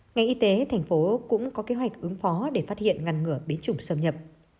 ngành y tế tp hcm cũng có kế hoạch ứng phó để phát hiện ngăn ngừa biến chủng sâu nhập